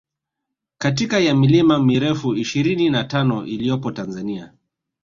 katika ya milima mirefu ishirini na tano iliyopo Tanzania